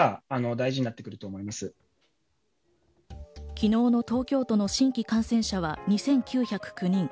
昨日の東京都の新規感染者は２９０９人。